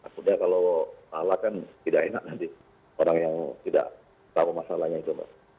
sudah kalau salah kan tidak enak nanti orang yang tidak tahu masalahnya itu mbak